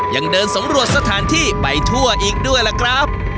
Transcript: ยังเดินสำรวจสถานที่ไปทั่วอีกด้วยล่ะครับ